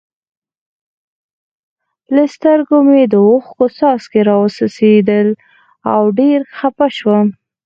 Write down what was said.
له سترګو مې د اوښکو څاڅکي را و څڅېدل او ډېر خپه شوم.